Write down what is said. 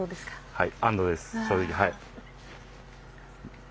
はい。